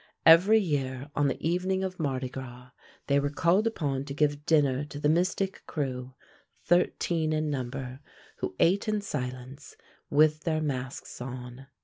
Every year on the evening of Mardi Gras, they were called upon to give dinner to the Mystic Krewe, thirteen in number, who ate in silence with their masks on.